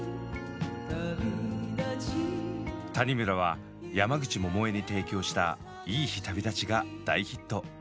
谷村は山口百恵に提供した「いい日旅立ち」が大ヒット。